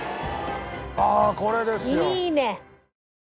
ああこれですよ。